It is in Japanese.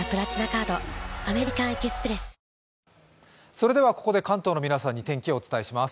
それではここで関東の皆さんに天気をお伝えします。